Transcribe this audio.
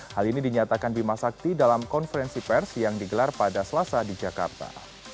hal ini dinyatakan bima sakti dalam konferensi pers yang digelar pada selasa di jakarta